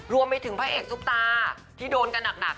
รวมไปถึงพระเอกซุปตาที่โดนกันหนัก